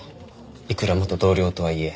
いくら元同僚とはいえ。